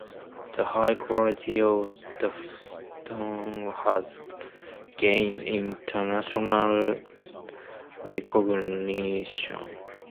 The high quality of the stone has gained international recognition.